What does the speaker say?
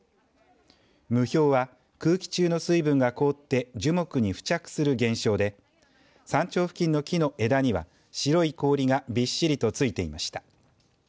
霧氷は、空気中の水分が凍って樹木に付着する現象で山頂付近の木の枝には白い氷がびっしりとついていました。